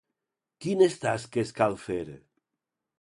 Quines tasques cal fer?